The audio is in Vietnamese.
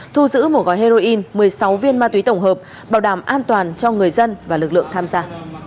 thu giữ một gói heroin một mươi sáu viên ma túy tổng hợp bảo đảm an toàn cho người dân và lực lượng tham gia